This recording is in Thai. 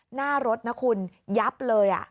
หน้ารถนะคุณยับเลย